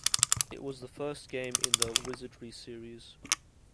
It was the first game in the "Wizardry" series.